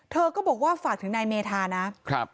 เธอก็บอกว่าฝากถึงนายเมธานะครับ